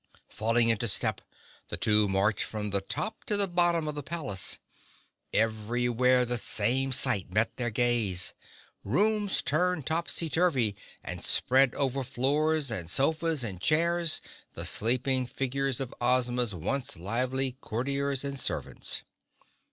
Falling into step, the two marched from the top to the bottom of the palace. Everywhere the same sight met their gaze; rooms turned topsy turvy, and spread over floors and sofas and chairs the sleeping figures of Ozma's once lively Courtiers and servants.